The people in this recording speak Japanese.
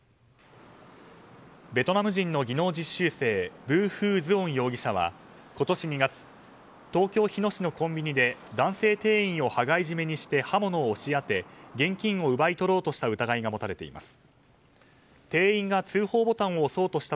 ベトナム人の技能実習生ヴー・フー・ズオン容疑者は今年２月東京・日野市のコンビニで男性店員を羽交い締めにして刃物を押し当て現金を奪い取ろうとした疑いが持たれています。